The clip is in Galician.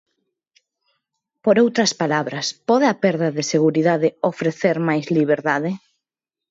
Por outras palabras, pode a perda de seguridade ofrecer máis liberdade?